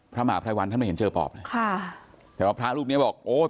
พระมหาภัยวันท่านไม่เห็นเจอปอบเลยค่ะแต่ว่าพระรูปเนี้ยบอกโอ้